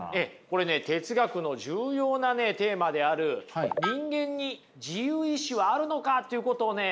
これね哲学の重要なテーマである人間に自由意志はあるのかということをね